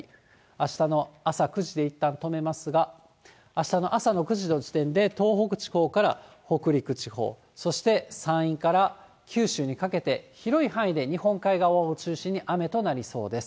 あしたの朝９時でいったん止めますが、あしたの朝の９時の時点で東北地方から北陸地方、そして山陰から九州にかけて、広い範囲で日本海側を中心に雨となりそうです。